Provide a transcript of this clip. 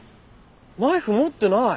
ナイフ持ってない。